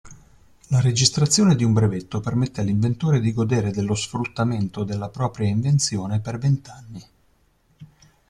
La registrazione di un brevetto permette all'inventore di godere dello sfruttamento della propria invenzione per vent'anni.